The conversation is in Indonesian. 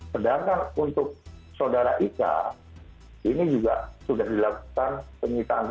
sedangkan untuk sodara ica ini juga sudah dilakukan penyitaan